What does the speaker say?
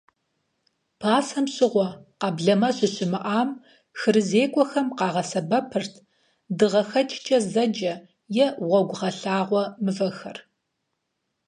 Пасэм щыгъуэ, къэблэмэ щыщымыӀам, хырызекӀуэхэм къагъэсэбэпырт дыгъэхэкӀкӀэ зэджэ, е гъуэгугъэлъагъуэ мывэхэр.